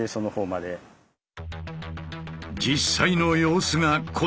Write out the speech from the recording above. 実際の様子がこちら。